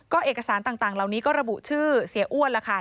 เอกสารต่างเหล่านี้ก็ระบุชื่อเสียอ้วนล่ะค่ะ